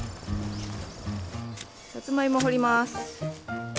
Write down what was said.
さつまいも掘ります。